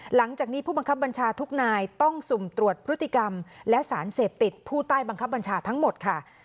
หลังจากนี้ผู้บังคับบัญชาทุกนายต้องสุ่มตรวจพฤติกรรมและสารเสพติดผู้ใต้บังคับบัญชาทั้งหมดค่ะ